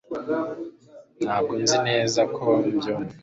Ntabwo nzi neza ko mbyumva